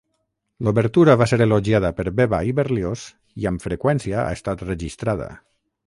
L'obertura va ser elogiada per Weber i Berlioz i amb freqüència ha estat registrada.